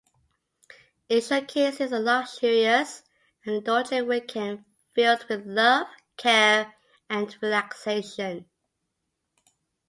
It showcases a luxurious and indulgent weekend filled with love, care, and relaxation.